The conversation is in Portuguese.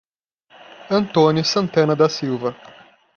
Antônio Santana da Silva